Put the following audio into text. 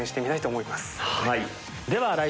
はい。